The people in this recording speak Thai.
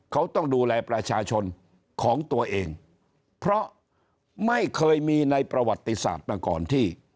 เขาต้องดูแลประชาชนของตัวเองเพราะไม่เคยมีในประวัติศาสตร์มาก่อนที่